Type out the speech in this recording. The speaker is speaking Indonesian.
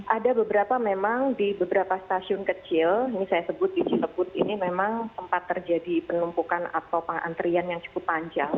ada beberapa memang di beberapa stasiun kecil ini saya sebut di cilebut ini memang sempat terjadi penumpukan atau pengantrian yang cukup panjang